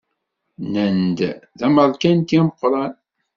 Nnan-d d ameṛkanti ameqqran.